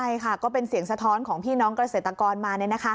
ใช่ค่ะก็เป็นเสียงสะท้อนของพี่น้องเกษตรกรมา